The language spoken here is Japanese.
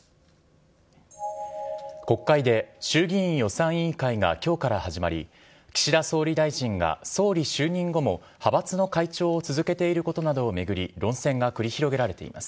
国会で、衆議院予算委員会がきょうから始まり、岸田総理大臣が総理就任後も派閥の会長を続けていることなどを巡り、論戦が繰り広げられています。